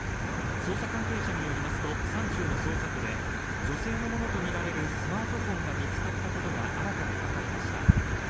捜査関係者によりますと山中の捜索で女性のものとみられるスマートフォンが見つかったことが新たにわかりました。